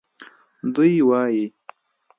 دوی وایي